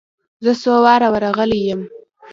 زه څو واره ور رغلى يم.